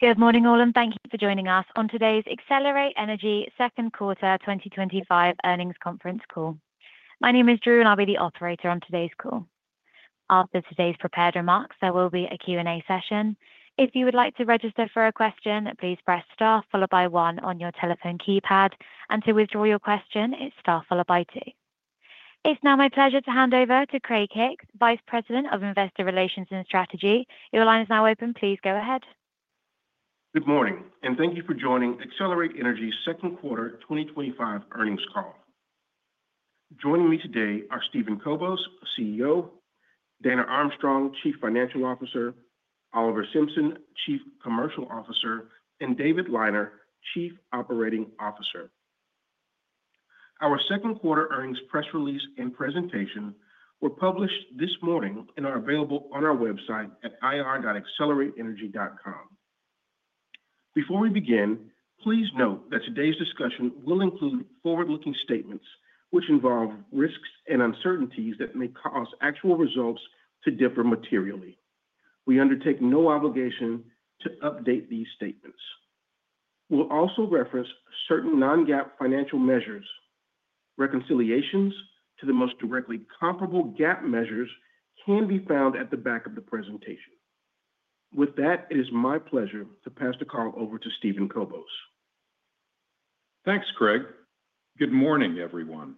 Good morning, all, and thank you for joining us on today's Excelerate Energy Second Quarter 2025 Earnings Conference Call. My name is Drew, and I'll be the operator on today's call. After today's prepared remarks, there will be a Q&A session. If you would like to register for a question, please press star followed by one on your telephone keypad, and to withdraw your question, it's star followed by two. It's now my pleasure to hand over to Craig Hicks, Vice President of Investor Relations. Your line is now open, please go ahead. Good morning, and thank you for joining Excelerate Energy's Second Quarter 2025 Earnings Call. Joining me today are Steven Kobos, CEO, Dana Armstrong, Chief Financial Officer, Oliver Simpson, Chief Commercial Officer, and David Liner, Chief Operating Officer. Our Q2 Earnings Press Release and Presentation were published this morning and are available on our website at ir.excelerateenergy.com. Before we begin, please note that today's discussion will include forward-looking statements, which involve risks and uncertainties that may cause actual results to differ materially. We undertake no obligation to update these statements. We'll also reference certain non-GAAP financial measures. Reconciliations to the most directly comparable GAAP measures can be found at the back of the presentation. With that, it is my pleasure to pass the call over to Steven Kobos. Thanks, Craig. Good morning, everyone.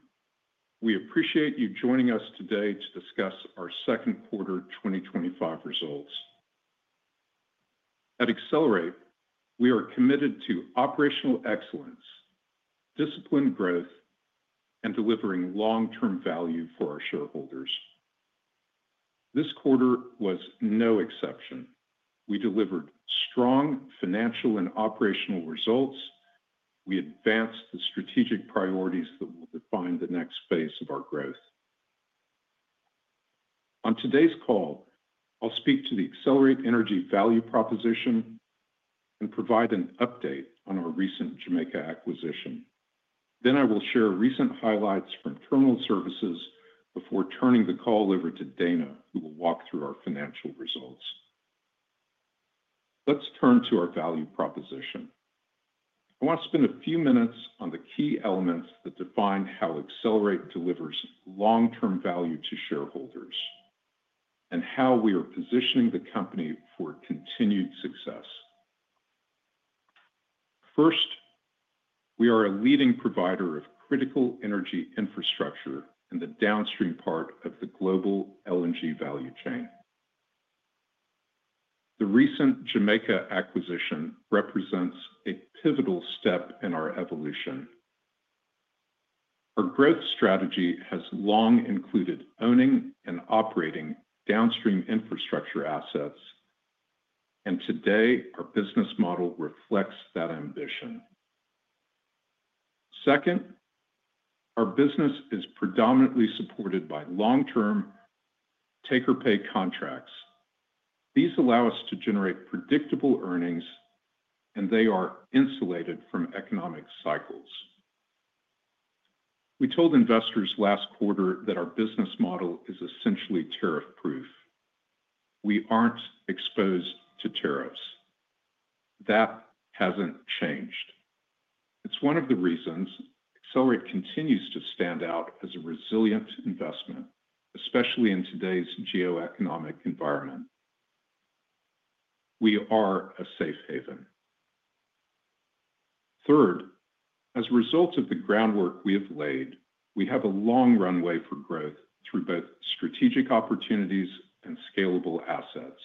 We appreciate you joining us today to discuss our Second Quarter 2025 Results. At Excelerate, we are committed to operational excellence, disciplined growth, and delivering long-term value for our shareholders. This quarter was no exception. We delivered strong financial and operational results. We advanced the strategic priorities that will define the next phase of our growth. On today's call, I'll speak to the Excelerate Energy value proposition and provide an update on our recent Jamaica acquisition. I will share recent highlights from Terminal Services before turning the call over to Dana, who will walk through our financial results. Let's turn to our value proposition. I want to spend a few minutes on the key elements that define how Excelerate delivers long-term value to shareholders and how we are positioning the company for continued success. First, we are a leading provider of critical energy infrastructure in the downstream part of the global LNG value chain. The recent Jamaica acquisition represents a pivotal step in our evolution. Our growth strategy has long included owning and operating downstream infrastructure assets, and today our business model reflects that ambition. Second, our business is predominantly supported by long-term, taker-pay contracts. These allow us to generate predictable earnings, and they are insulated from economic cycles. We told investors last quarter that our business model is essentially tariff-proof. We aren't exposed to tariffs. That hasn't changed. It's one of the reasons Excelerate continues to stand out as a resilient investment, especially in today's geoeconomic environment. We are a safe haven. Third, as a result of the groundwork we have laid, we have a long runway for growth through both strategic opportunities and scalable assets.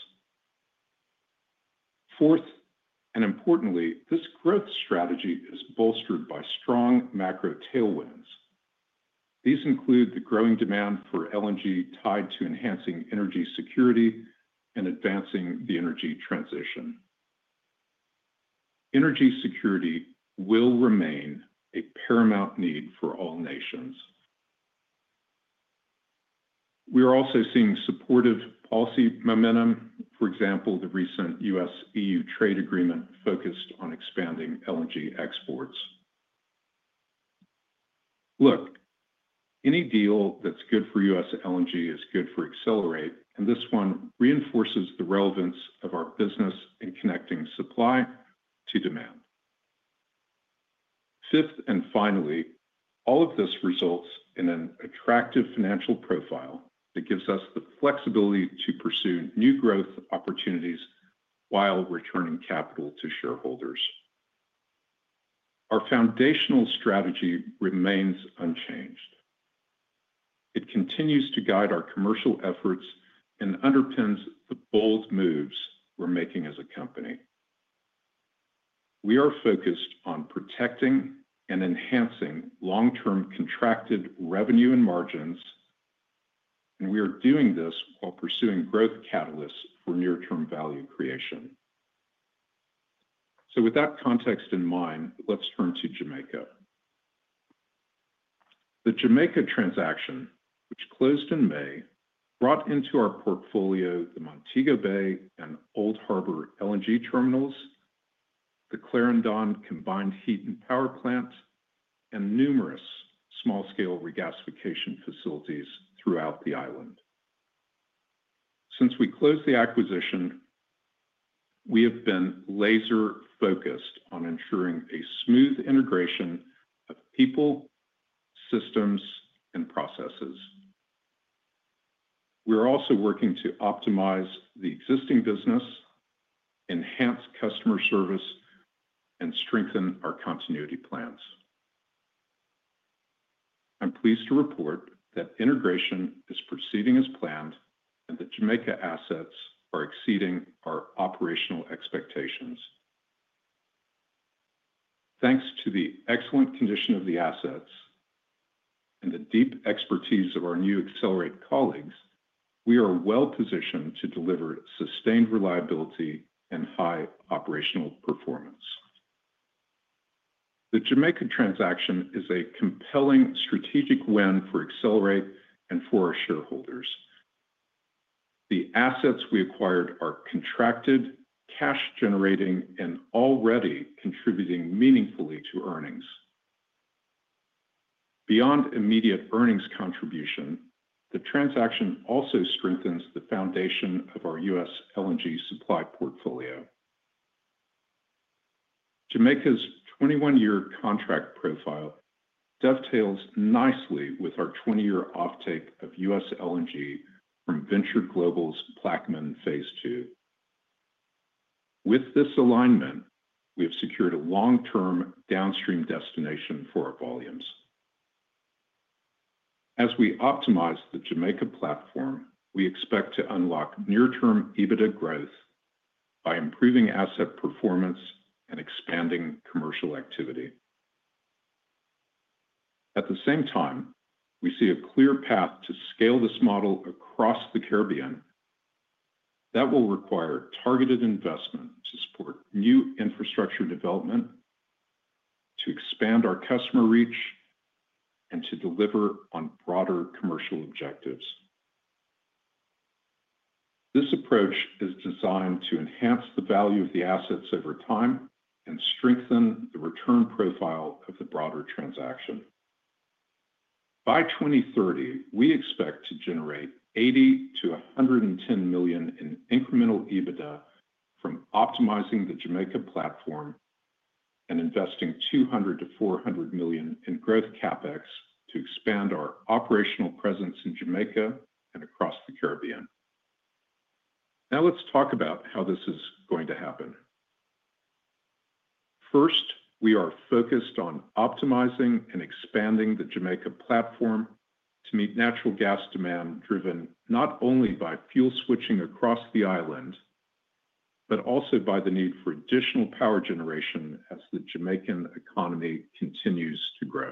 Fourth, and importantly, this growth strategy is bolstered by strong macro tailwinds. These include the growing demand for LNG tied to enhancing energy security and advancing the energy transition. Energy security will remain a paramount need for all nations. We are also seeing supportive policy momentum. For example, the recent U.S.-EU trade agreement focused on expanding LNG exports. Any deal that's good for U.S. LNG is good for Excelerate, and this one reinforces the relevance of our business in connecting supply to demand. Fifth, and finally, all of this results in an attractive financial profile that gives us the flexibility to pursue new growth opportunities while returning capital to shareholders. Our foundational strategy remains unchanged. It continues to guide our commercial efforts and underpins the bold moves we're making as a company. We are focused on protecting and enhancing long-term contracted revenue and margins, and we are doing this while pursuing growth catalysts for near-term value creation. With that context in mind, let's turn to Jamaica. The Jamaica transaction, which closed in May, brought into our portfolio the Montego Bay and Old Harbor LNG Terminals, the Clarendon Combined Heat and Power Plant, and numerous small-scale regasification facilities throughout the island. Since we closed the acquisition, we have been laser-focused on ensuring a smooth integration of people, systems, and processes. We are also working to optimize the existing business, enhance customer service, and strengthen our continuity plans. I'm pleased to report that integration is proceeding as planned and that Jamaica assets are exceeding our operational expectations. Thanks to the excellent condition of the assets and the deep expertise of our new Excelerate colleagues, we are well-positioned to deliver sustained reliability and high operational performance. The Jamaica transaction is a compelling strategic win for Excelerate and for our shareholders. The assets we acquired are contracted, cash-generating, and already contributing meaningfully to earnings. Beyond immediate earnings contribution, the transaction also strengthens the foundation of our U.S. LNG supply portfolio. Jamaica's 21-year contract profile dovetails nicely with our 20-year offtake of U.S. LNG from Venture Global's Plaquemines phase II. With this alignment, we have secured a long-term downstream destination for our volumes. As we optimize the Jamaica platform, we expect to unlock near-term EBITDA growth by improving asset performance and expanding commercial activity. At the same time, we see a clear path to scale this model across the Caribbean. That will require targeted investment to support new infrastructure development, to expand our customer reach, and to deliver on broader commercial objectives. This approach is designed to enhance the value of the assets over time and strengthen the return profile of the broader transaction. By 2030, we expect to generate $80 million-$110 million in incremental EBITDA from optimizing the Jamaica platform and investing $200 million-$400 million in growth CapEx to expand our operational presence in Jamaica and across the Caribbean. Now let's talk about how this is going to happen. First, we are focused on optimizing and expanding the Jamaica platform to meet natural gas demand driven not only by fuel switching across the island but also by the need for additional power generation as the Jamaican economy continues to grow.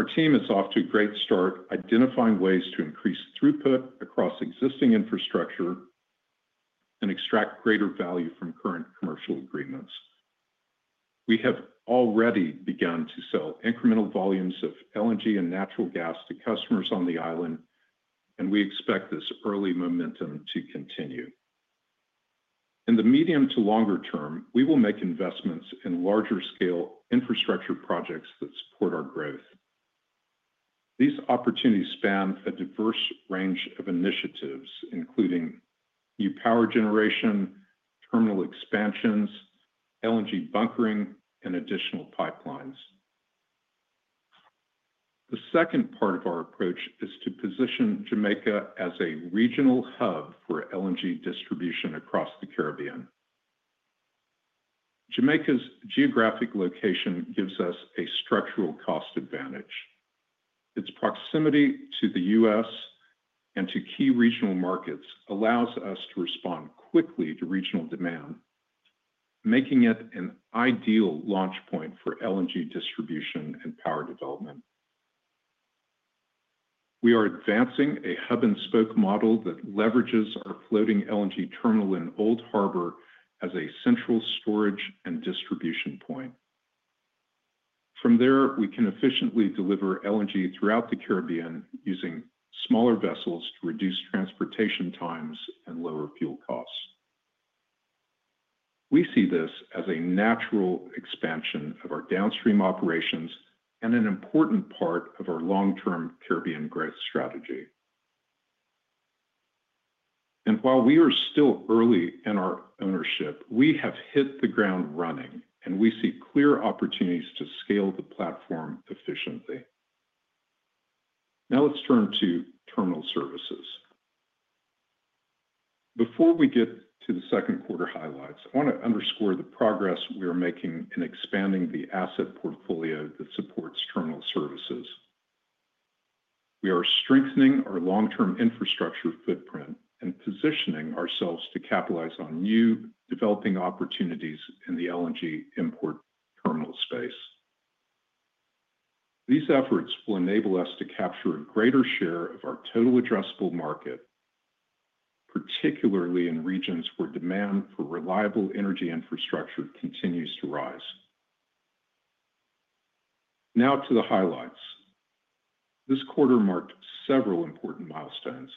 Our team is off to a great start identifying ways to increase throughput across existing infrastructure and extract greater value from current commercial agreements. We have already begun to sell incremental volumes of LNG and natural gas to customers on the island, and we expect this early momentum to continue. In the medium to longer term, we will make investments in larger-scale infrastructure projects that support our growth. These opportunities span a diverse range of initiatives, including new power generation, terminal expansions, LNG bunkering, and additional pipelines. The second part of our approach is to position Jamaica as a regional hub for LNG distribution across the Caribbean. Jamaica's geographic location gives us a structural cost advantage. Its proximity to the U.S. and to key regional markets allows us to respond quickly to regional demand, making it an ideal launch point for LNG distribution and power development. We are advancing a hub-and-spoke model that leverages our floating LNG terminal in Old Harbor as a central storage and distribution point. From there, we can efficiently deliver LNG throughout the Caribbean using smaller vessels to reduce transportation times and lower fuel costs. We see this as a natural expansion of our downstream operations and an important part of our long-term Caribbean growth strategy. While we are still early in our ownership, we have hit the ground running, and we see clear opportunities to scale the platform efficiently. Now let's turn to Terminal Services. Before we get to the Q2 highlights, I want to underscore the progress we are making in expanding the asset portfolio that supports Terminal Services. We are strengthening our long-term infrastructure footprint and positioning ourselves to capitalize on new developing opportunities in the LNG import terminal space. These efforts will enable us to capture a greater share of our total addressable market, particularly in regions where demand for reliable energy infrastructure continues to rise. Now to the highlights. This quarter marked several important milestones.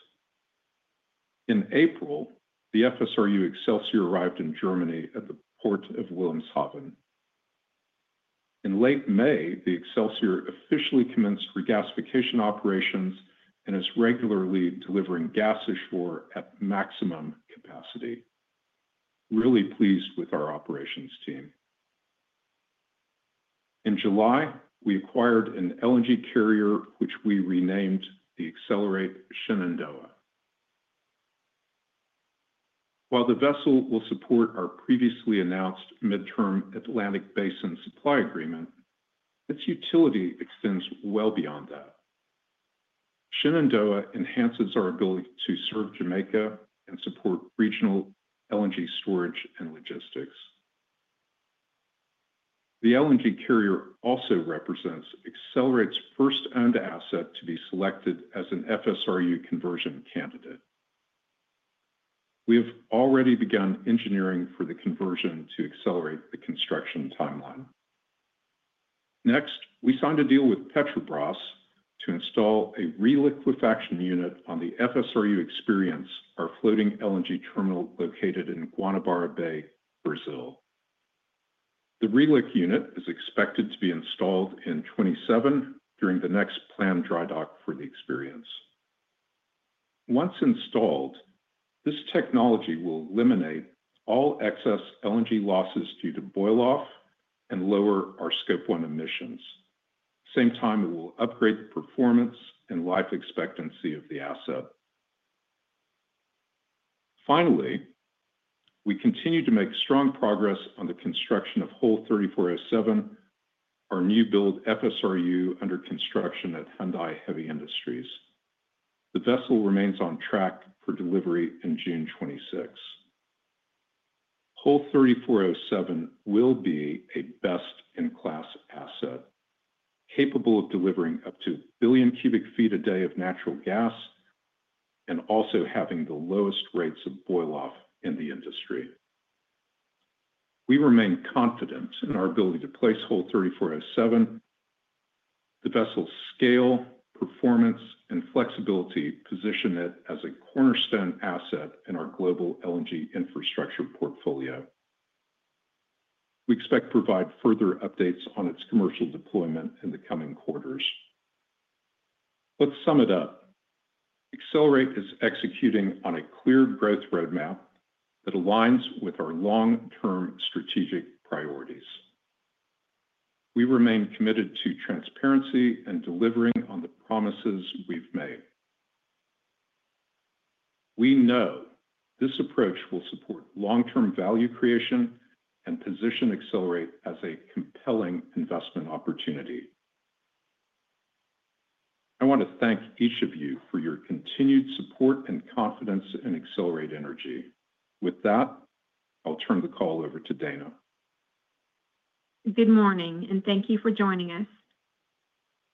In April, the FSRU Excelsior arrived in Germany at the port of Wilhelmshaven. In late May, the Excelsior officially commenced regasification operations and is regularly delivering gas echelon at maximum capacity. Really pleased with our operations team. In July, we acquired an LNG carrier, which we renamed the Excelerate Shenandoah. While the vessel will support our previously announced mid-term Atlantic Basin supply agreement, its utility extends well beyond that. Shenandoah enhances our ability to serve Jamaica and support regional LNG storage and logistics. The LNG carrier also represents Excelerate's first owned asset to be selected as an FSRU conversion candidate. We have already begun engineering for the conversion to accelerate the construction timeline. Next, we signed a deal with Petrobras to install a re-liquefaction unit on the FSRU Experience, our floating LNG terminal located in Guanabara Bay, Brazil. The re-liq unit is expected to be installed in 2027 during the next planned dry dock for the Experience. Once installed, this technology will eliminate all excess LNG losses due to boil-off and lower our Scope 1 emissions. At the same time, it will upgrade the performance and life expectancy of the asset. Finally, we continue to make strong progress on the construction of Hull 3407, our new build FSRU under construction at Hyundai Heavy Industries. The vessel remains on track for delivery in June 2026. Hull 3407 will be a best-in-class asset, capable of delivering up to a billion cubic feet a day of natural gas and also having the lowest rates of boil-off in the industry. We remain confident in our ability to place Hull 3407. The vessel's scale, performance, and flexibility position it as a cornerstone asset in our global LNG infrastructure portfolio. We expect to provide further updates on its commercial deployment in the coming quarters. Let's sum it up. Excelerate is executing on a clear growth roadmap that aligns with our long-term strategic priorities. We remain committed to transparency and delivering on the promises we've made. We know this approach will support long-term value creation and position Excelerate as a compelling investment opportunity. I want to thank each of you for your continued support and confidence in Excelerate Energy. With that, I'll turn the call over to Dana. Good morning, and thank you for joining us.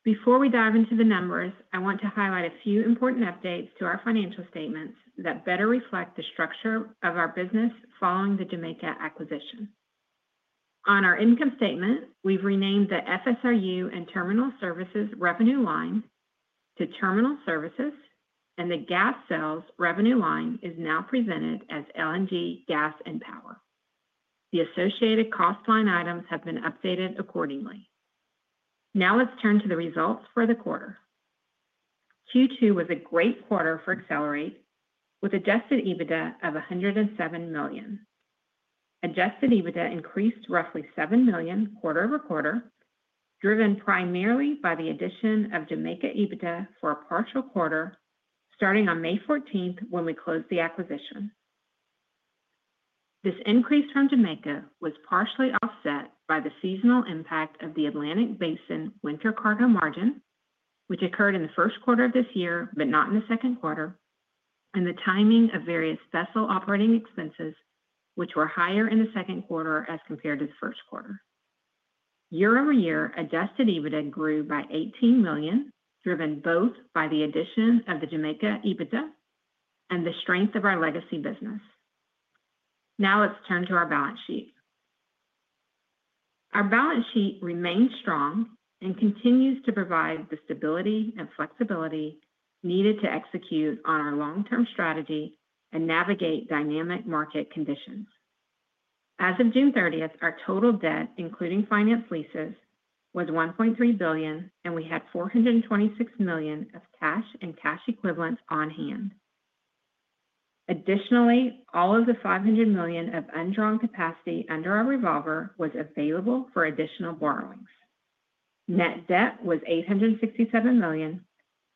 Before we dive into the numbers, I want to highlight a few important updates to our financial statements that better reflect the structure of our business following the Jamaica acquisition. On our income statement, we've renamed the FSRU and Terminal Services revenue line to Terminal Services, and the gas sales revenue line is now presented as LNG, gas, and power. The associated cost line items have been updated accordingly. Now let's turn to the results for the quarter. Q2 was a great quarter for Excelerate, with adjusted EBITDA of $107 million. Adjusted EBITDA increased roughly $7 million quarter-over-quarter, driven primarily by the addition of Jamaica EBITDA for a partial quarter starting on May 14th when we closed the acquisition. This increase from Jamaica was partially offset by the seasonal impact of the Atlantic Basin winter cargo margin, which occurred in the first quarter of this year, but not in the second quarter, and the timing of various vessel operating expenses, which were higher in the second quarter as compared to the first quarter. Year-over-year, adjusted EBITDA grew by $18 million, driven both by the addition of the Jamaica EBITDA and the strength of our legacy business. Now let's turn to our balance sheet. Our balance sheet remains strong and continues to provide the stability and flexibility needed to execute on our long-term strategy and navigate dynamic market conditions. As of June 30th, our total debt, including financed leases, was $1.3 billion, and we had $426 million of cash and cash equivalents on hand. Additionally, all of the $500 million of undrawn capacity under our revolver was available for additional borrowings. Net debt was $867 million,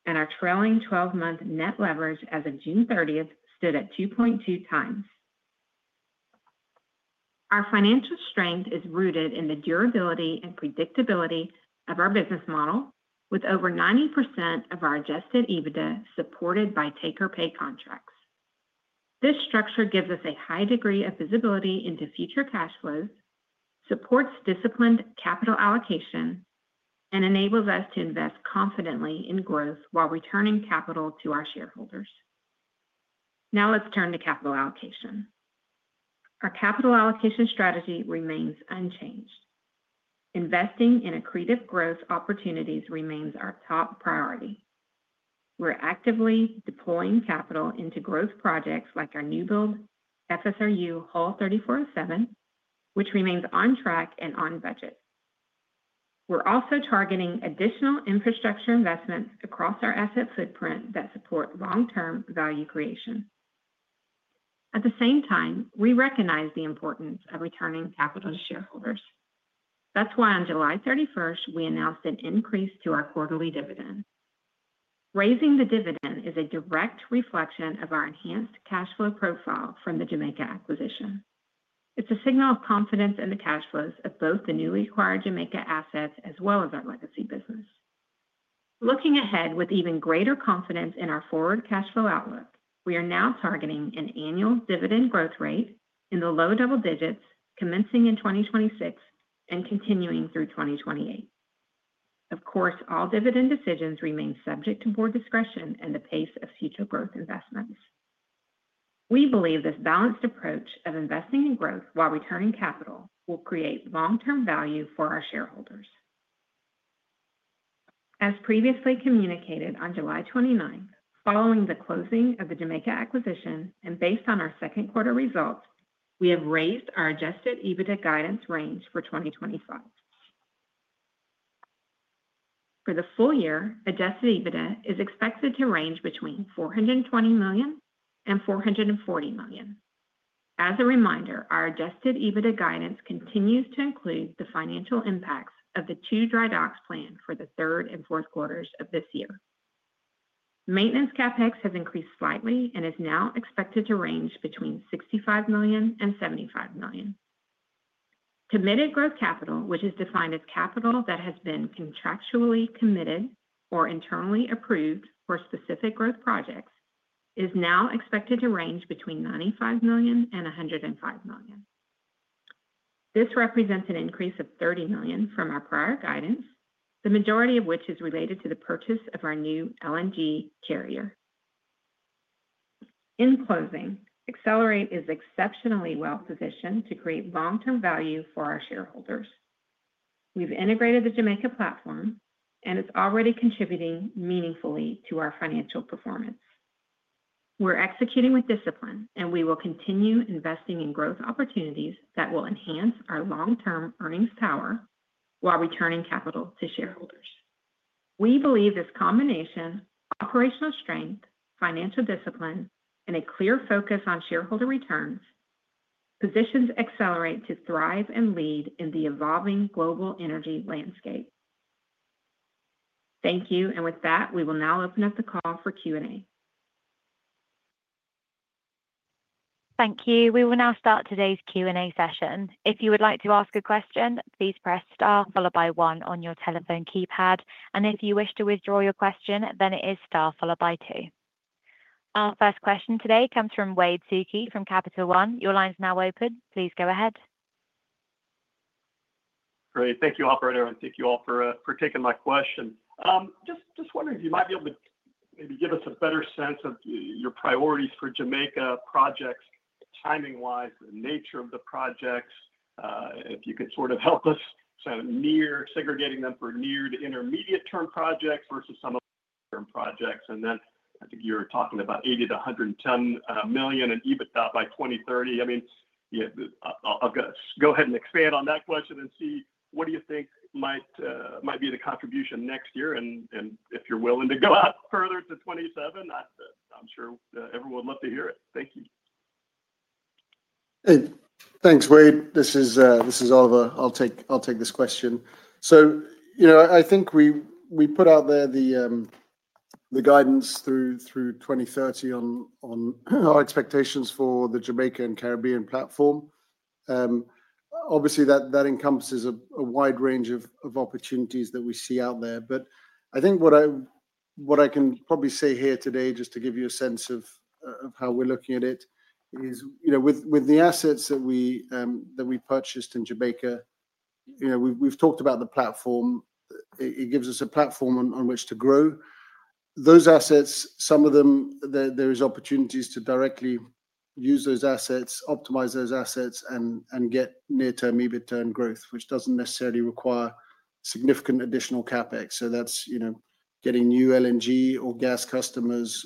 and our trailing 12-month net leverage as of June 30th stood at 2.2 times. Our financial strength is rooted in the durability and predictability of our business model, with over 90% of our adjusted EBITDA supported by taker-pay contracts. This structure gives us a high degree of visibility into future cash flow, supports disciplined capital allocation, and enables us to invest confidently in growth while returning capital to our shareholders. Now let's turn to capital allocation. Our capital allocation strategy remains unchanged. Investing in accretive growth opportunities remains our top priority. We're actively deploying capital into growth projects like our new build FSRU Hull 3407, which remains on track and on budget. We're also targeting additional infrastructure investments across our asset footprint that support long-term value creation. At the same time, we recognize the importance of returning capital to shareholders. That's why on July 31st, we announced an increase to our quarterly dividend. Raising the dividend is a direct reflection of our enhanced cash flow profile from the Jamaica acquisition. It's a signal of confidence in the cash flows of both the newly acquired Jamaica assets as well as our legacy business. Looking ahead with even greater confidence in our forward cash flow outlook, we are now targeting an annual dividend growth rate in the low double digits, commencing in 2026 and continuing through 2028. Of course, all dividend decisions remain subject to board discretion and the pace of future growth investments. We believe this balanced approach of investing in growth while returning capital will create long-term value for our shareholders. As previously communicated on July 29th, following the closing of the Jamaica acquisition and based on our second quarter results, we have raised our adjusted EBITDA guidance range for 2025. For the full year, adjusted EBITDA is expected to range between $420 million and $440 million. As a reminder, our adjusted EBITDA guidance continues to include the financial impacts of the two dry docks planned for the third and fourth quarters of this year. Maintenance CapEx has increased slightly and is now expected to range between $65 million and $75 million. Committed growth capital, which is defined as capital that has been contractually committed or internally approved for specific growth projects, is now expected to range between $95 million and $105 million. This represents an increase of $30 million from our prior guidance, the majority of which is related to the purchase of our new LNG carrier. In closing, Excelerate is exceptionally well-positioned to create long-term value for our shareholders. We've integrated the Jamaica platform, and it's already contributing meaningfully to our financial performance. We're executing with discipline, and we will continue investing in growth opportunities that will enhance our long-term earnings power while returning capital to shareholders. We believe this combination, operational strength, financial discipline, and a clear focus on shareholder returns, positions Excelerate to thrive and lead in the evolving global energy landscape. Thank you, and with that, we will now open up the call for Q&A. Thank you. We will now start today's Q&A session. If you would like to ask a question, please press star followed by one on your telephone keypad, and if you wish to withdraw your question, then it is star followed by two. Our first question today comes from Wade Suki from Capital One. Your line is now open. Please go ahead. Great. Thank you, operator, and thank you all for taking my question. I'm just wondering if you might be able to maybe give us a better sense of your priorities for Jamaica projects, timing-wise, the nature of the projects. If you could sort of help us kind of segregating them for near to intermediate-term projects versus some of the long-term projects. I think you were talking about $80 million-$110 million in EBITDA by 2030. I'll go ahead and expand on that question and see what you think might be the contribution next year. If you're willing to go out further to 2027, I'm sure everyone would love to hear it. Thank you. Thanks, Wade. This is Oliver. I'll take this question. I think we put out there the guidance through 2030 on our expectations for the Jamaica and Caribbean platform. Obviously, that encompasses a wide range of opportunities that we see out there. What I can probably say here today, just to give you a sense of how we're looking at it, is, with the assets that we purchased in Jamaica, we've talked about the platform. It gives us a platform on which to grow. Those assets, some of them, there are opportunities to directly use those assets, optimize those assets, and get near-term EBITDA growth, which doesn't necessarily require significant additional CapEx. That's getting new LNG or gas customers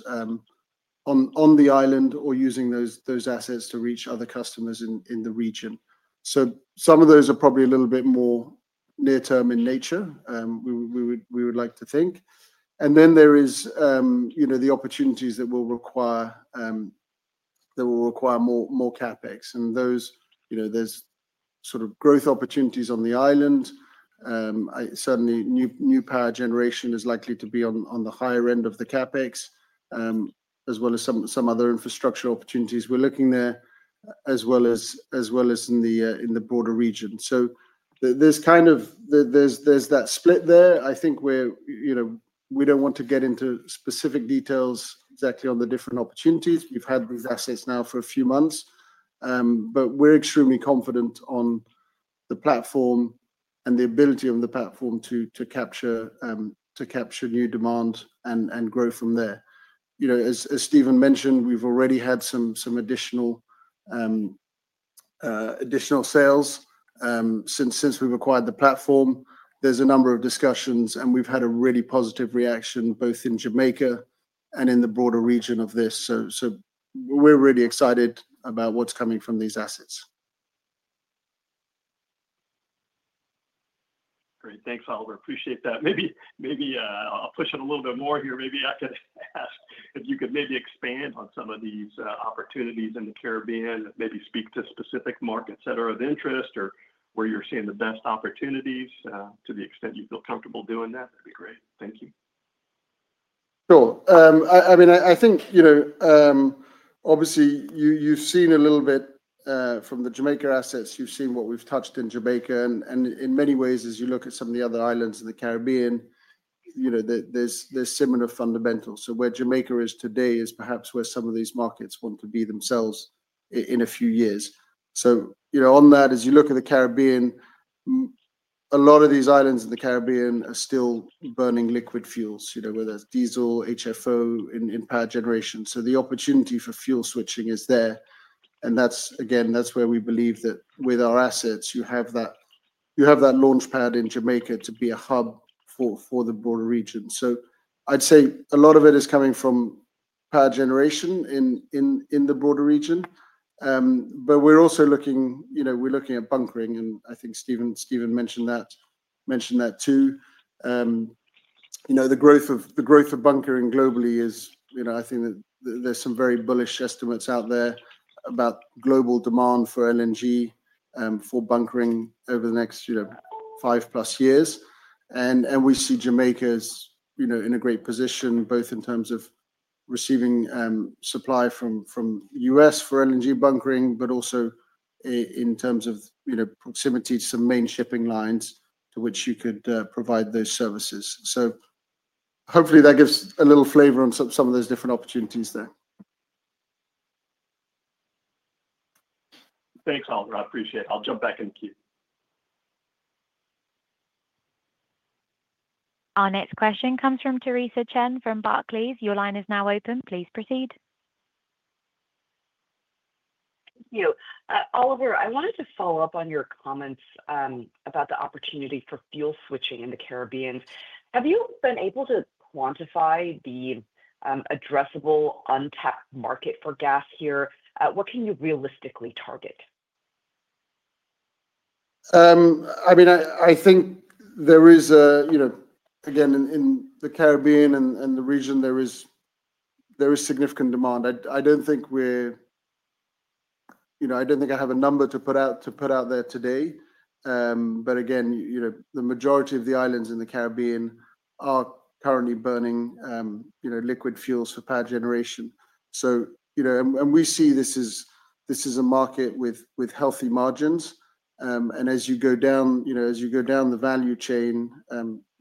on the island or using those assets to reach other customers in the region. Some of those are probably a little bit more near-term in nature, we would like to think. There are the opportunities that will require more CapEx. Those are sort of growth opportunities on the island. Certainly, new power generation is likely to be on the higher end of the CapEx, as well as some other infrastructure opportunities we're looking at there, as well as in the broader region. There's that split there. I think we don't want to get into specific details exactly on the different opportunities. You've had these assets now for a few months. We're extremely confident on the platform and the ability of the platform to capture new demand and grow from there. As Steven mentioned, we've already had some additional sales since we've acquired the platform. There's a number of discussions, and we've had a really positive reaction both in Jamaica and in the broader region of this. We're really excited about what's coming from these assets. Great. Thanks, Oliver. I appreciate that. Maybe I'll push it a little bit more here. Maybe I could ask if you could expand on some of these opportunities in the Caribbean, maybe speak to specific markets that are of interest or where you're seeing the best opportunities to the extent you feel comfortable doing that. That'd be great. Thank you. Sure. I mean, I think, obviously, you've seen a little bit from the Jamaica assets. You've seen what we've touched in Jamaica. In many ways, as you look at some of the other islands in the Caribbean, there are similar fundamentals. Where Jamaica is today is perhaps where some of these markets want to be themselves in a few years. As you look at the Caribbean, a lot of these islands in the Caribbean are still burning liquid fuels, whether it's diesel or HFO, in power generation. The opportunity for fuel switching is there. That's where we believe that with our assets, you have that launchpad in Jamaica to be a hub for the broader region. I'd say a lot of it is coming from power generation in the broader region. We're also looking at bunkering, and I think Steven mentioned that too. The growth of bunkering globally is, I think, that there are some very bullish estimates out there about global demand for LNG for bunkering over the next five-plus years. We see Jamaica in a great position both in terms of receiving supply from the U.S. for LNG bunkering, but also in terms of proximity to some main shipping lines to which you could provide those services. Hopefully, that gives a little flavor on some of those different opportunities there. Thanks, Oliver. I appreciate it. I'll jump back in the queue. Our next question comes from Theresa Chen from Barclays. Your line is now open. Please proceed. Thank you. Oliver, I wanted to follow up on your comments about the opportunity for fuel switching in the Caribbean. Have you been able to quantify the addressable untapped market for gas here? What can you realistically target? I think there is, you know, again, in the Caribbean and the region, significant demand. I don't think I have a number to put out there today. The majority of the islands in the Caribbean are currently burning, you know, liquid fuels for power generation. We see this as a market with healthy margins. As you go down the value chain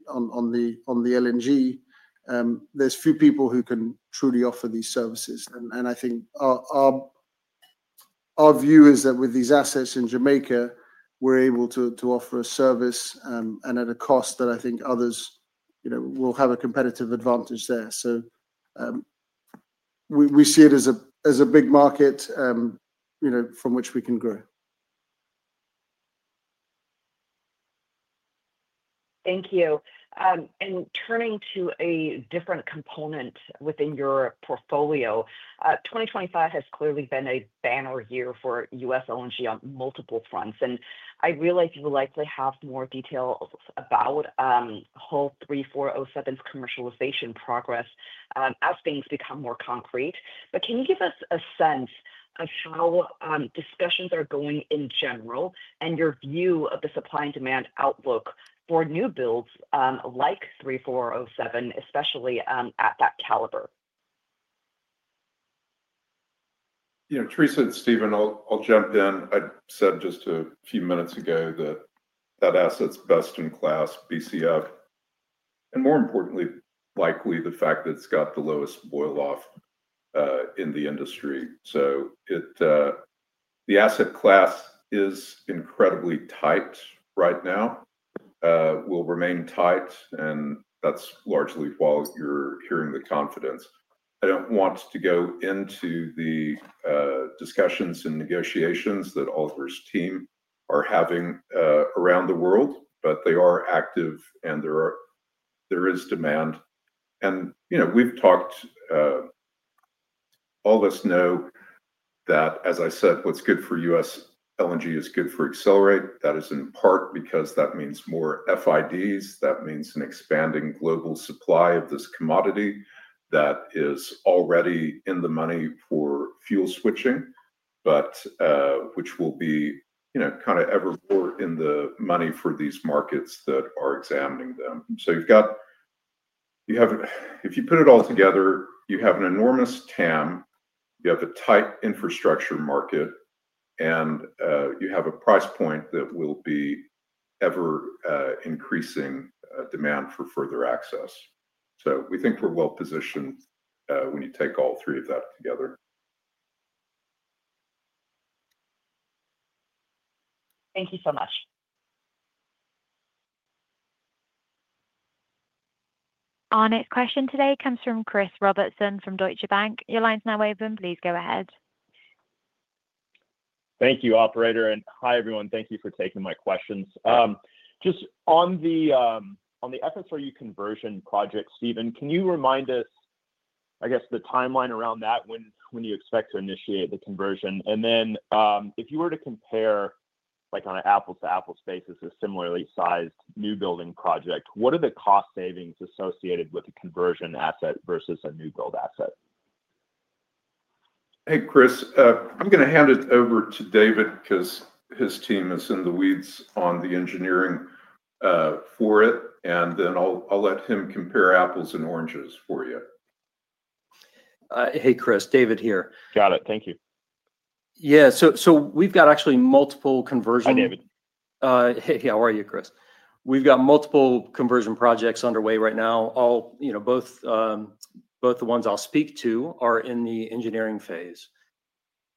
on the LNG, there are few people who can truly offer these services. I think our view is that with these assets in Jamaica, we're able to offer a service and at a cost that I think others will have a competitive advantage there. We see it as a big market from which we can grow. Thank you. Turning to a different component within your portfolio, 2025 has clearly been a banner year for U.S. LNG on multiple fronts. I realize you will likely have more details about Hull 3407's commercialization progress as things become more concrete. Can you give us a sense of how discussions are going in general and your view of the supply and demand outlook for new builds like 3407, especially at that caliber? Theresa, it's Steven, I'll jump in. I said just a few minutes ago that that asset's best-in-class BCF, and more importantly, likely the fact that it's got the lowest boil-off in the industry. The asset class is incredibly tight right now, will remain tight, and that's largely why you're hearing the confidence. I don't want to go into the discussions and negotiations that Oliver's team are having around the world, but they are active and there is demand. We've talked, all of us know that, as I said, what's good for U.S. LNG is good for Excelerate. That is in part because that means more FIDs. That means an expanding global supply of this commodity that is already in the money for fuel switching, but which will be kind of ever more in the money for these markets that are examining them. You have, if you put it all together, an enormous TAM, a tight infrastructure market, and a price point that will be ever-increasing demand for further access. We think we're well-positioned when you take all three of that together. Thank you so much. Our next question today comes from Chris Robertson from Deutsche Bank. Your line's now open. Please go ahead. Thank you, operator, and hi, everyone. Thank you for taking my questions. Just on the FSRU conversion project, Steven, can you remind us, I guess, the timeline around that, when you expect to initiate the conversion? If you were to compare, like on an apples-to-apples basis, a similarly sized new building project, what are the cost savings associated with a conversion asset vs. a new build asset? Hey, Chris. I'm going to hand it over to David because his team is in the weeds on the engineering for it, and then I'll let him compare apples and oranges for you. Hey, Chris. David here. Got it. Thank you. Yeah. We've got actually multiple conversions. David. Hey, how are you, Chris? We've got multiple conversion projects underway right now. Both the ones I'll speak to are in the engineering phase.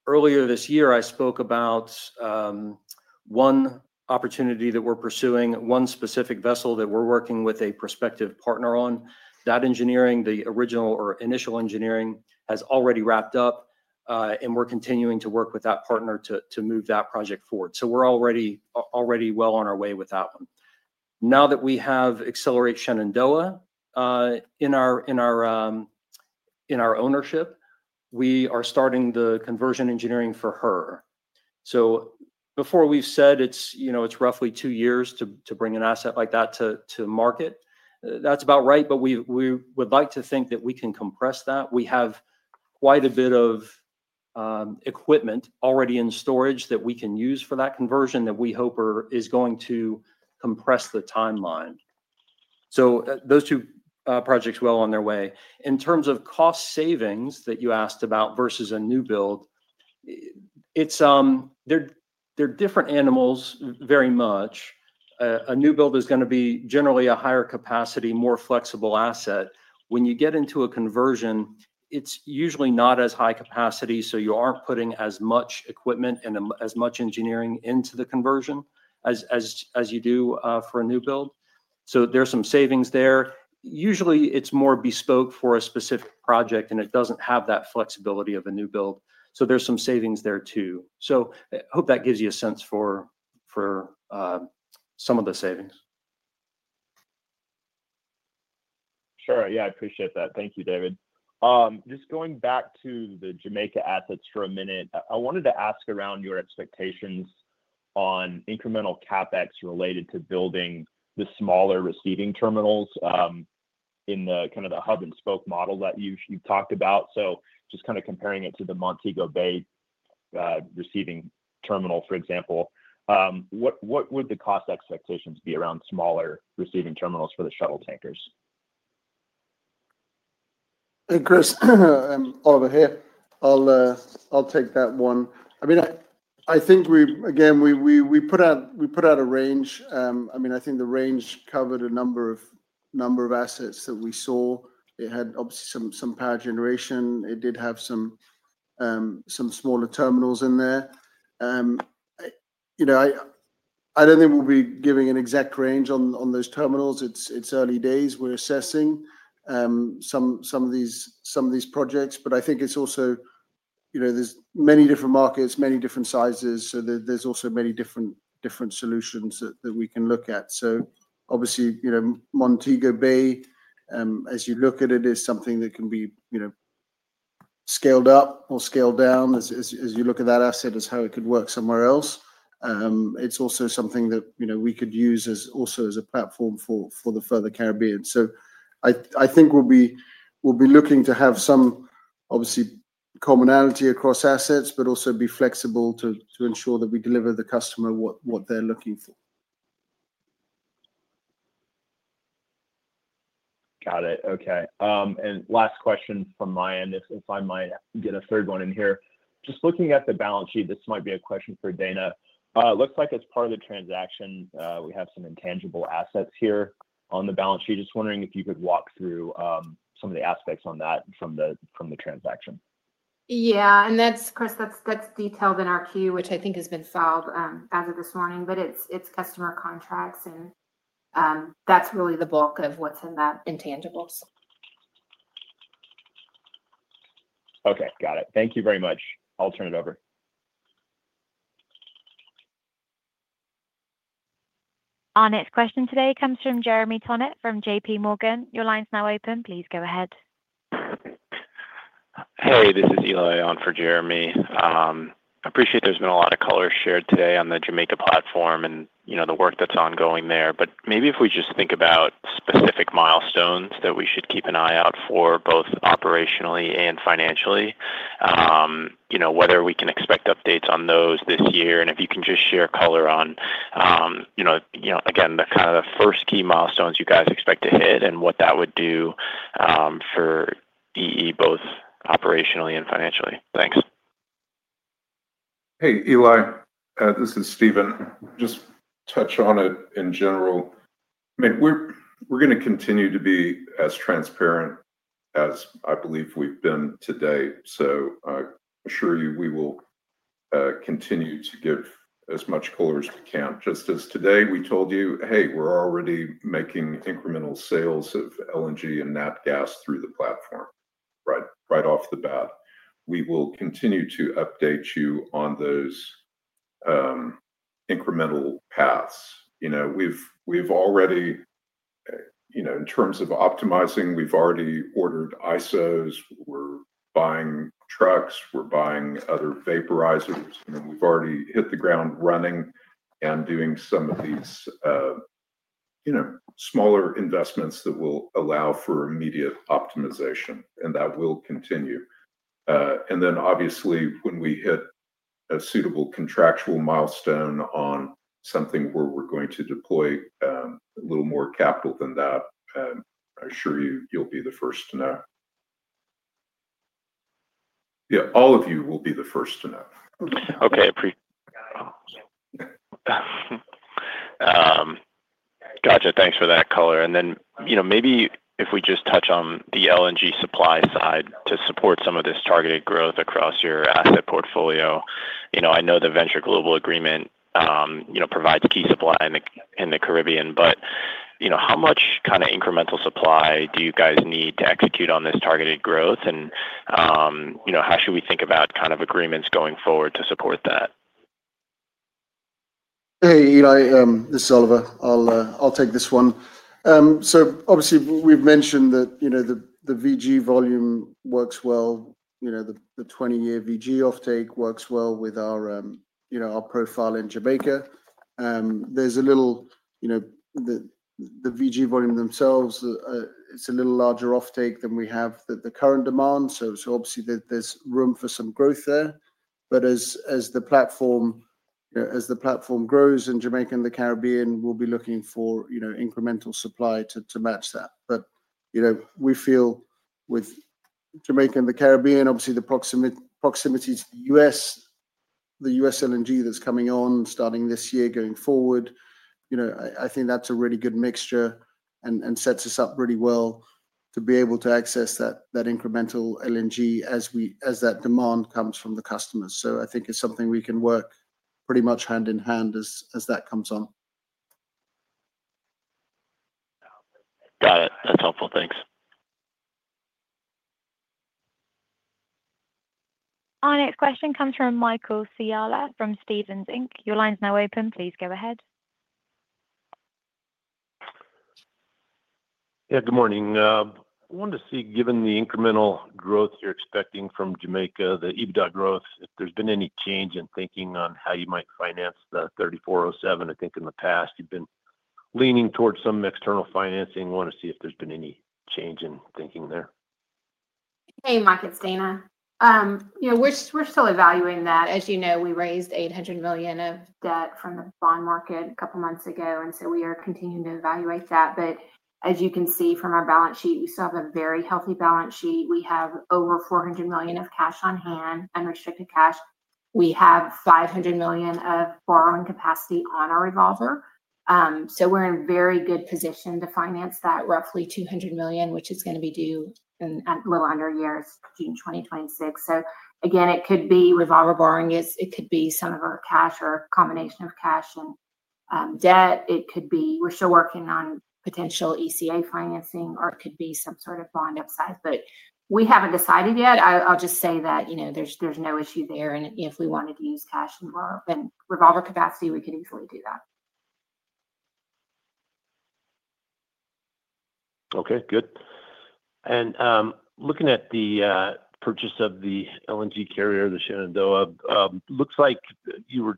Earlier this year, I spoke about one opportunity that we're pursuing, one specific vessel that we're working with a prospective partner on. That engineering, the original or initial engineering, has already wrapped up, and we're continuing to work with that partner to move that project forward. We're already well on our way with that one. Now that we have Excelerate Shenandoah in our ownership, we are starting the conversion engineering for her. Before we've said it's roughly two years to bring an asset like that to the market, that's about right, but we would like to think that we can compress that. We have quite a bit of equipment already in storage that we can use for that conversion that we hope is going to compress the timeline. Those two projects are well on their way. In terms of cost savings that you asked about vs. a new build, they're different animals very much. A new build is going to be generally a higher capacity, more flexible asset. When you get into a conversion, it's usually not as high capacity, so you aren't putting as much equipment and as much engineering into the conversion as you do for a new build. There's some savings there. Usually, it's more bespoke for a specific project, and it doesn't have that flexibility of a new build. There's some savings there too. I hope that gives you a sense for some of the savings. Sure. Yeah, I appreciate that. Thank you, David. Just going back to the Jamaica assets for a minute, I wanted to ask around your expectations on incremental CapEx related to building the smaller receiving terminals in the kind of the hub-and-spoke model that you've talked about. Just kind of comparing it to the Montego Bay receiving terminal, for example, what would the cost expectations be around smaller receiving terminals for the shuttle tankers? Hey, Chris. I'm Oliver here. I'll take that one. I think we, again, we put out a range. I think the range covered a number of assets that we saw. It had obviously some power generation. It did have some smaller terminals in there. I don't think we'll be giving an exact range on those terminals. It's early days. We're assessing some of these projects. I think it's also, you know, there's many different markets, many different sizes. There's also many different solutions that we can look at. Obviously, Montego Bay, as you look at it, is something that can be scaled up or scaled down. As you look at that asset as how it could work somewhere else, it's also something that we could use also as a platform for the further Caribbean. I think we'll be looking to have some, obviously, commonality across assets, but also be flexible to ensure that we deliver the customer what they're looking for. Got it. Okay. Last question from my end, if I might get a third one in here. Just looking at the balance sheet, this might be a question for Dana. Looks like as part of the transaction, we have some intangible assets here on the balance sheet. Just wondering if you could walk through some of the aspects on that from the transaction. Yeah, that's detailed in our Q, which I think has been filed as of this morning. It's customer contracts, and that's really the bulk of what's in that intangibles. Okay. Got it. Thank you very much. I'll turn it over. Our next question today comes from Jeremy Tonet from JPMorgan. Your line's now open. Please go ahead. Hey, this is Eli on for Jeremy. I appreciate there's been a lot of color shared today on the Jamaica platform and the work that's ongoing there. If we just think about specific milestones that we should keep an eye out for both operationally and financially, whether we can expect updates on those this year, and if you can just share color on the first key milestones you guys expect to hit and what that would do for Excelerate Energy both operationally and financially. Thanks. Hey, Eli. This is Steven. Just touch on it in general. I mean, we're going to continue to be as transparent as I believe we've been today. I assure you we will continue to give as much color as we can. Just as today we told you, hey, we're already making incremental sales of LNG and natural gas through the platform, right off the bat. We will continue to update you on those incremental paths. In terms of optimizing, we've already ordered ISOs. We're buying trucks. We're buying other vaporizers. We've already hit the ground running and doing some of these smaller investments that will allow for immediate optimization. That will continue. Obviously, when we hit a suitable contractual milestone on something where we're going to deploy a little more capital than that, I assure you you'll be the first to know. All of you will be the first to know. Okay. Gotcha. Thanks for that color. Maybe if we just touch on the LNG supply side to support some of this targeted growth across your asset portfolio. I know the Venture Global agreement provides key supply in the Caribbean, but how much kind of incremental supply do you guys need to execute on this targeted growth? How should we think about kind of agreements going forward to support that? Hey, Eli. This is Oliver. I'll take this one. Obviously, we've mentioned that the VG volume works well. The 20-year VG offtake works well with our profile in Jamaica. The VG volume itself is a little larger offtake than we have the current demand. Obviously, there's room for some growth there. As the platform grows in Jamaica and the Caribbean, we'll be looking for incremental supply to match that. We feel with Jamaica and the Caribbean, the proximity to the U.S., the U.S. LNG that's coming on starting this year going forward, I think that's a really good mixture and sets us up really well to be able to access that incremental LNG as that demand comes from the customers. I think it's something we can work pretty much hand in hand as that comes on. Got it. That's helpful. Thanks. Our next question comes from Michael Scialla from Stephens. Your line's now open. Please go ahead. Good morning. I wanted to see, given the incremental growth you're expecting from Jamaica, the EBITDA growth, if there's been any change in thinking on how you might finance the Hull 3407. I think in the past, you've been leaning towards some external financing. I want to see if there's been any change in thinking there. Hey, Mike. It's Dana. We're still evaluating that. As you know, we raised $800 million of debt from the bond market a couple of months ago, and we are continuing to evaluate that. As you can see from our balance sheet, we still have a very healthy balance sheet. We have over $400 million of cash on hand, unrestricted cash. We have $500 million of borrowing capacity on our revolver. We're in a very good position to finance that roughly $200 million, which is going to be due in a little under a year, June 2026. It could be revolver borrowing issues. It could be some of our cash or a combination of cash and debt. We're still working on potential ECA financing, or it could be some sort of bond upside, but we haven't decided yet. I'll just say that there's no issue there. If we wanted to use cash and more revolver capacity, we could easily do that. Okay. Good. Looking at the purchase of the LNG carrier, the Shenandoah, it looks like you were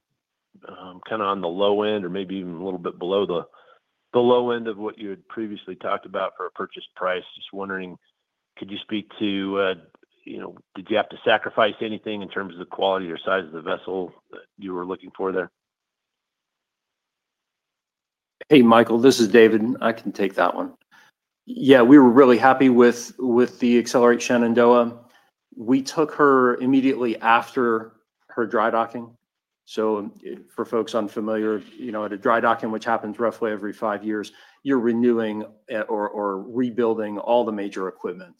kind of on the low end or maybe even a little bit below the low end of what you had previously talked about for a purchase price. Just wondering, could you speak to, you know, did you have to sacrifice anything in terms of the quality or size of the vessel that you were looking for there? Hey, Michael. This is David. I can take that one. Yeah, we were really happy with the Excelerate Shenandoah. We took her immediately after her dry docking. For folks unfamiliar, at a dry docking, which happens roughly every five years, you're renewing or rebuilding all the major equipment.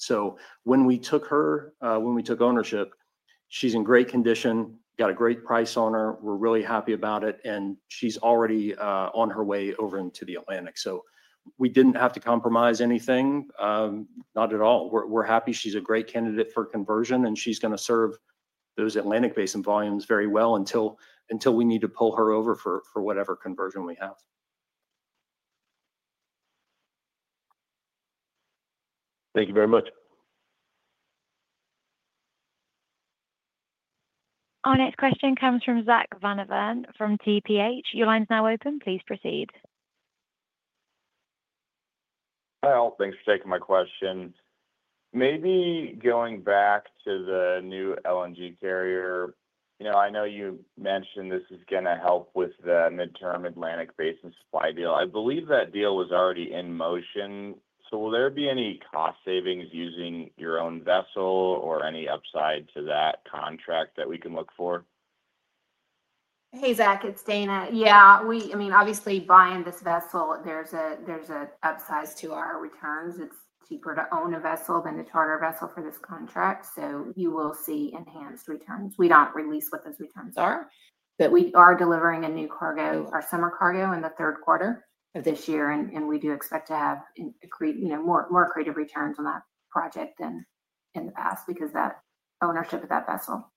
When we took her, when we took ownership, she's in great condition, got a great price on her. We're really happy about it, and she's already on her way over into the Atlantic. We didn't have to compromise anything. Not at all. We're happy. She's a great candidate for conversion, and she's going to serve those Atlantic-basin volumes very well until we need to pull her over for whatever conversion we have. Thank you very much. Our next question comes from Zack Van Everen from TPH. Your line's now open. Please proceed. Hi, all. Thanks for taking my question. Maybe going back to the new LNG carrier, you know, I know you mentioned this is going to help with the mid-term Atlantic Basin supply deal. I believe that deal was already in motion. Will there be any cost savings using your own vessel or any upside to that contract that we can look for? Hey, Zack. It's Dana. Yeah, we, I mean, obviously, buying this vessel, there's an upside to our returns. It's cheaper to own a vessel than to charter a vessel for this contract. You will see enhanced returns. We don't release what those returns are, but we are delivering a new cargo, our summer cargo in the third quarter of this year. We do expect to have more accretive returns on that project than in the past because of that ownership of that vessel.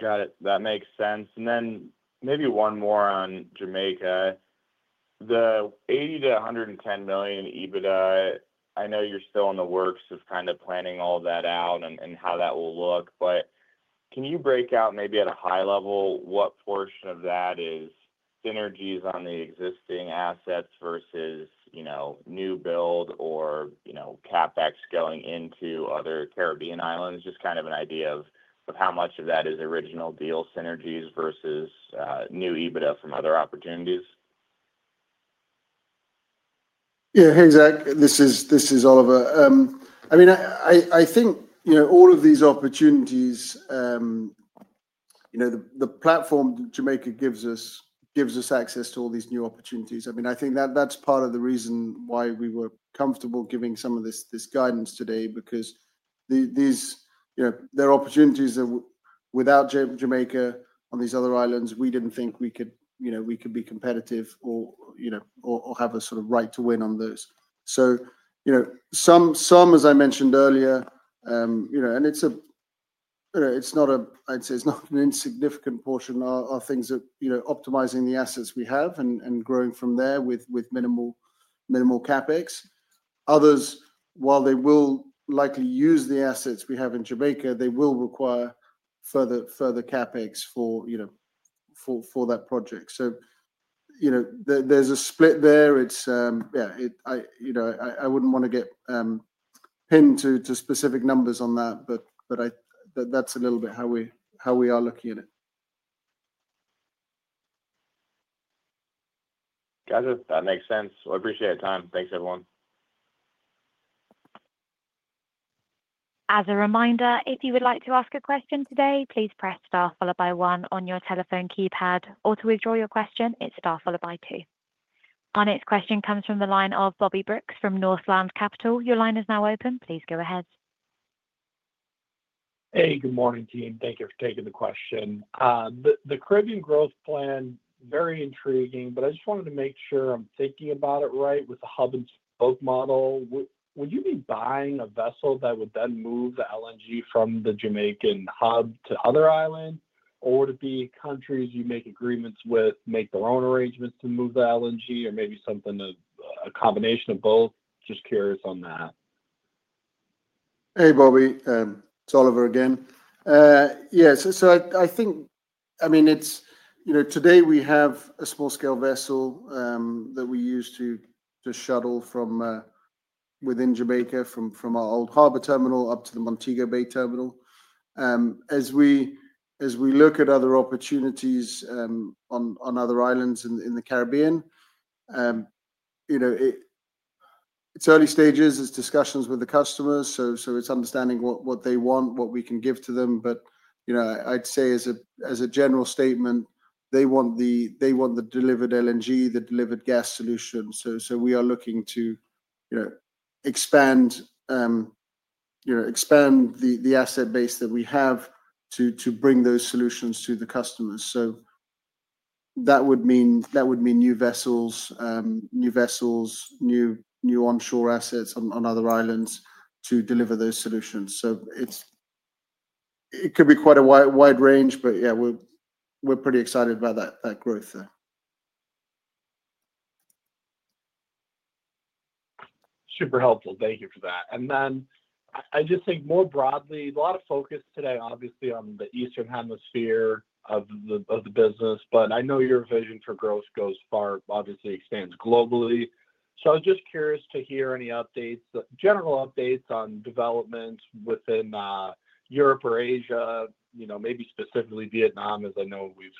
Got it. That makes sense. Maybe one more on Jamaica. The $80 million-$110 million EBITDA, I know you're still in the works of kind of planning all of that out and how that will look, but can you break out maybe at a high level what portion of that is synergies on the existing assets vs., you know, new build or, you know, CapEx going into other Caribbean islands? Just kind of an idea of how much of that is original deal synergies vs. new EBITDA from other opportunities. Yeah. Hey, Zack. This is Oliver. I think all of these opportunities, the Jamaica platform gives us access to all these new opportunities. I think that's part of the reason why we were comfortable giving some of this guidance today because there are opportunities that, without Jamaica, on these other islands, we didn't think we could be competitive or have a sort of right to win on those. As I mentioned earlier, it's not an insignificant portion of things, optimizing the assets we have and growing from there with minimal CapEx. Others, while they will likely use the assets we have in Jamaica, will require further CapEx for that project. There's a split there. I wouldn't want to get pinned to specific numbers on that, but that's a little bit how we are looking at it. Gotcha. That makes sense. I appreciate your time. Thanks, everyone. As a reminder, if you would like to ask a question today, please press star followed by one on your telephone keypad. To withdraw your question, it's star followed by two. Our next question comes from the line of Bobby Brooks from Northland Capital. Your line is now open. Please go ahead. Hey, good morning, team. Thank you for taking the question. The Caribbean growth plan, very intriguing, but I just wanted to make sure I'm thinking about it right with the hub-and-spoke model. Would you be buying a vessel that would then move the LNG from the Jamaican hub to other islands, or would it be countries you make agreements with, make their own arrangements to move the LNG, or maybe something of a combination of both? Just curious on that. Hey, Bobby. It's Oliver again. I think, I mean, today we have a small-scale vessel that we use to just shuttle from within Jamaica from our Old Harbor LNG terminal up to the Montego Bay LNG terminal. As we look at other opportunities on other islands in the Caribbean, it's early stages. It's discussions with the customers. It's understanding what they want, what we can give to them. I'd say as a general statement, they want the delivered LNG, the delivered gas solution. We are looking to expand the asset base that we have to bring those solutions to the customers. That would mean new vessels, new onshore assets on other islands to deliver those solutions. It could be quite a wide range, but yeah, we're pretty excited about that growth there. Super helpful. Thank you for that. I just think more broadly, a lot of focus today, obviously, on the Eastern Hemisphere of the business, but I know your vision for growth goes far, obviously, expands globally. I'm just curious to hear any updates, general updates on developments within Europe or Asia, you know, maybe specifically Vietnam, as I know we've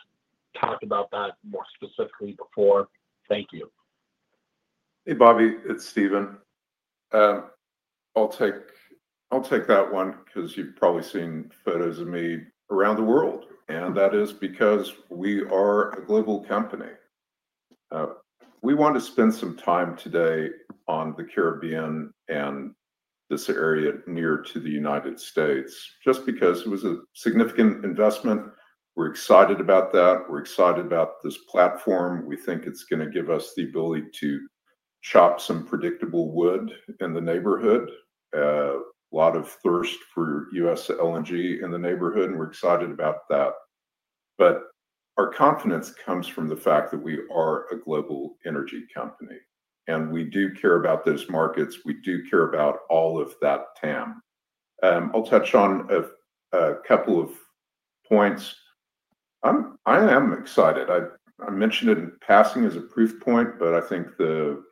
talked about that more specifically before. Thank you. Hey, Bobby. It's Steven. I'll take that one because you've probably seen photos of me around the world. That is because we are a global company. We want to spend some time today on the Caribbean and this area near to the United States just because it was a significant investment. We're excited about that. We're excited about this platform. We think it's going to give us the ability to chop some predictable wood in the neighborhood. A lot of thirst for U.S. LNG in the neighborhood, and we're excited about that. Our confidence comes from the fact that we are a global energy company, and we do care about those markets. We do care about all of that TAM. I'll touch on a couple of points. I am excited. I mentioned it in passing as a proof point, but I think the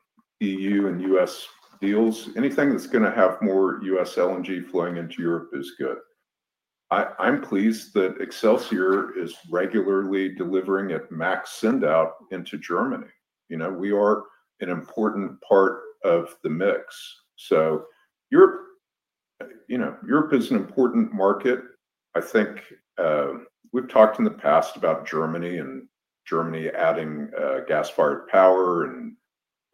EU and U.S. deals, anything that's going to have more U.S. LNG flowing into Europe is good. I'm pleased that FSRU Excelsior is regularly delivering at max send-out into Germany. You know, we are an important part of the mix. Europe is an important market. I think we've talked in the past about Germany and Germany adding gas-fired power and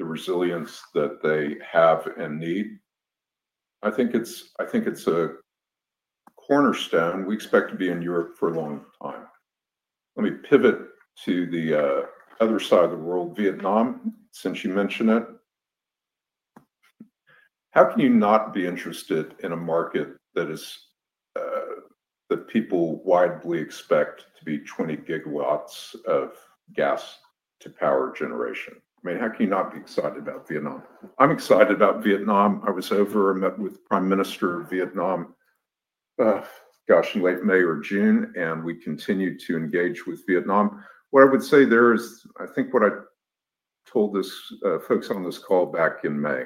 the resilience that they have and need. I think it's a cornerstone. We expect to be in Europe for a long time. Let me pivot to the other side of the world, Vietnam, since you mentioned it. How can you not be interested in a market that is the people widely expect to be 20 GW of gas to power generation? I mean, how can you not be excited about Vietnam? I'm excited about Vietnam. I was over and met with the Prime Minister of Vietnam, in late May or June, and we continue to engage with Vietnam. What I would say there is, I think what I told folks on this call back in May,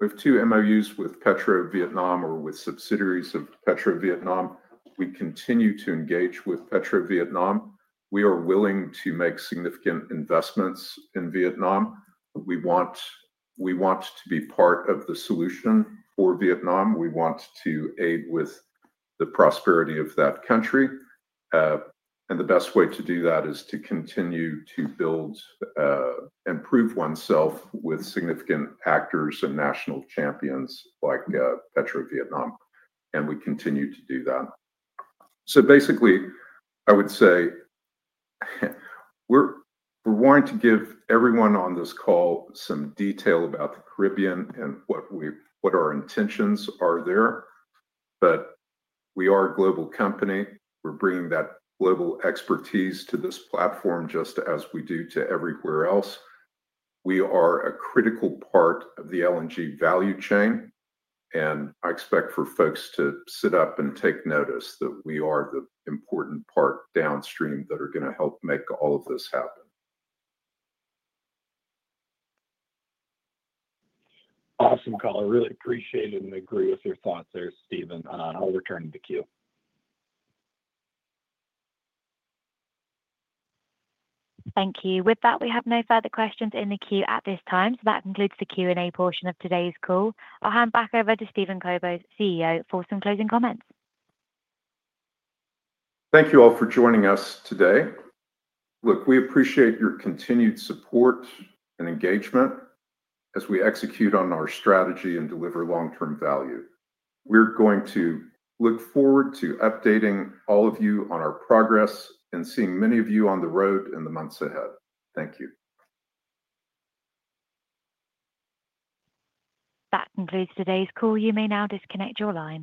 we have two MoUs with Petro Vietnam or with subsidiaries of Petro Vietnam. We continue to engage with Petro Vietnam. We are willing to make significant investments in Vietnam. We want to be part of the solution for Vietnam. We want to aid with the prosperity of that country. The best way to do that is to continue to build and prove oneself with significant actors and national champions like Petro Vietnam. We continue to do that. Basically, I would say we're wanting to give everyone on this call some detail about the Caribbean and what our intentions are there. We are a global company. We're bringing that global expertise to this platform just as we do to everywhere else. We are a critical part of the LNG value chain. I expect for folks to sit up and take notice that we are the important part downstream that are going to help make all of this happen. I really appreciate it and agree with your thoughts there, Steven. I'll return to the queue. Thank you. With that, we have no further questions in the queue at this time. That concludes the Q&A portion of today's call. I'll hand back over to Steven Kobos, CEO, for some closing comments. Thank you all for joining us today. We appreciate your continued support and engagement as we execute on our strategy and deliver long-term value. We're going to look forward to updating all of you on our progress and seeing many of you on the road in the months ahead. Thank you. That concludes today's call. You may now disconnect your line.